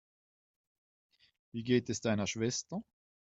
Wie geht es deiner Schwester?